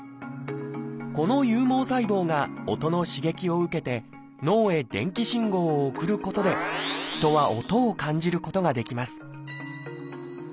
この有毛細胞が音の刺激を受けて脳へ電気信号を送ることで人は音を感じることができます